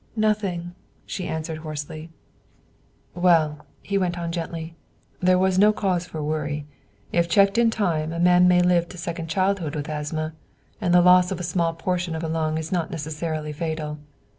"Nothing," she answered hoarsely. "Well," he went on gently, "there was no cause for worry; if checked in time, a man may live to second childhood with asthma, and the loss of a small portion of a lung is not necessarily fatal.